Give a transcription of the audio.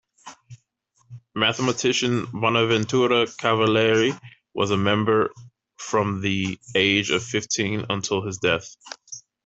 Mathematician Bonaventura Cavalieri was a member from the age of fifteen until his death.